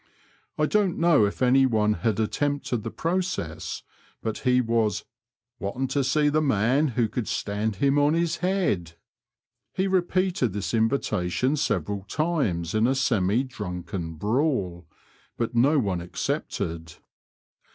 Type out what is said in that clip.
1 don't know if any one had attempted the process, but he was wanting to see the man who could stand him on his head." He repeated this invita tation several times in a semi drunken brawl, but no one accepted.